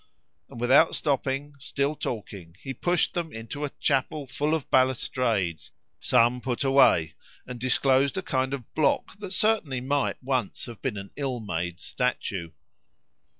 And without stopping, still talking, he pushed them into a chapel full of balustrades, some put away, and disclosed a kind of block that certainly might once have been an ill made statue.